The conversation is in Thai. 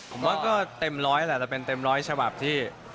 ผมว่าก็เต็มร้อยแหละเราเป็นเต็มร้อยฉบับที่